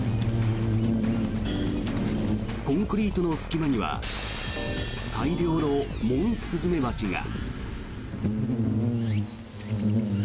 コンクリートの隙間には大量のモンスズメバチが。